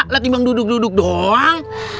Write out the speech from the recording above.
latih bang duduk duduk doang